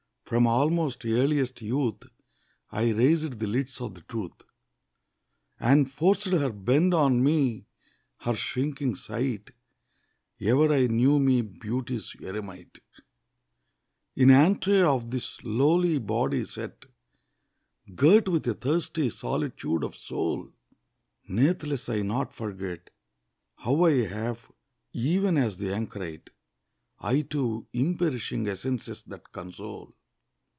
From almost earliest youth I raised the lids o' the truth, And forced her bend on me her shrinking sight; Ever I knew me Beauty's eremite, In antre of this lowly body set, Girt with a thirsty solitude of soul. Natheless I not forget How I have, even as the anchorite, I too, imperishing essences that console.